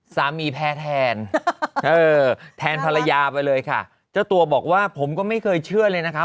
แพ้แทนเออแทนแทนภรรยาไปเลยค่ะเจ้าตัวบอกว่าผมก็ไม่เคยเชื่อเลยนะคะ